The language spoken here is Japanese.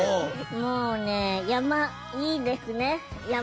もうね山いいですね山。